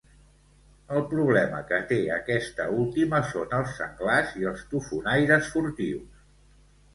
El problema que té aquesta última són els senglars i els tofonaires furtius.